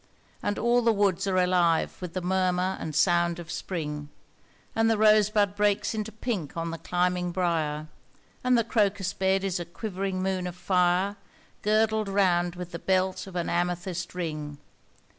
And all the woods are alive with the murmur and sound of Spring, And the rose bud breaks into pink on the climbing briar, And the crocus bed is a quivering moon of fire Girdled round with the belt of an amethyst ring.